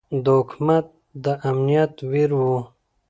د حکومت د امنیت وزیر ؤ